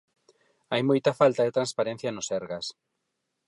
Hai moita falta de transparencia no Sergas.